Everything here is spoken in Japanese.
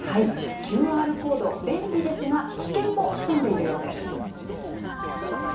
ＱＲコード、便利ですが、危険も潜んでいるようです。